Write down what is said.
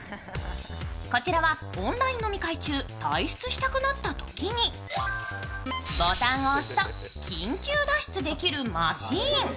こちらはオンライン飲み会中、退出したくなったときにボタンを押すと緊急脱出できるマシーン。